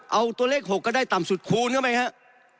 เอาตัวเลข๖ก็ได้ต่ำสุดคูณเข้าไปครับ